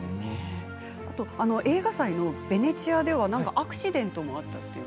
あと映画祭のベネチアではアクシデントもあったと。